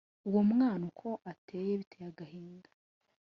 Uwo mwana uko ateyeBiteye agahinda